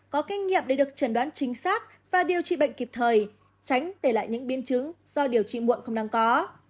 có kinh nghiệm để được chẩn đoán chính xác và điều trị bệnh kịp thời tránh để lại những biến chứng do điều trị muộn không đáng có